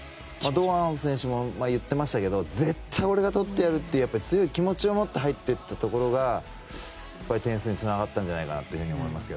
堂安選手も言ってましたけど絶対俺が取ってやるっていう強い気持ちを持って入っていったところが点数につながったんじゃないかと思います。